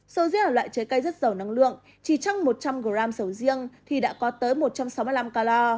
sầu riêng là loại trái cây rất giàu năng lượng chỉ trong một trăm linh gram sầu riêng thì đã có tới một trăm sáu mươi năm calor